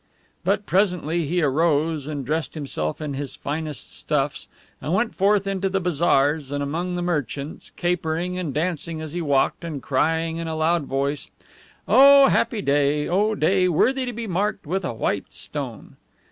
But presently he arose, and dressed himself in his finest stuffs, and went forth into the bazaars and among the merchants, capering and dancing as he walked, and crying in a loud voice, "O, happy day! O, day worthy to be marked with a white stone!"